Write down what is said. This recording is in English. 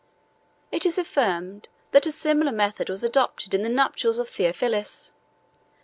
It is affirmed, that a similar method was adopted in the nuptials of Theophilus.